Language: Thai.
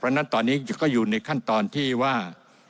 เพราะฉะนั้นตอนนี้ก็อยู่ในขั้นตอนที่ว่า